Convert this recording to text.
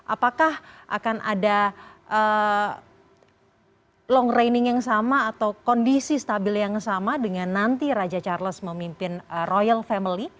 apakah akan ada long raining yang sama atau kondisi stabil yang sama dengan nanti raja charles memimpin royal family